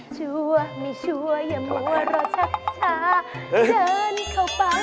ชัวร์ไม่ชัวร์อย่ามัวรอชัก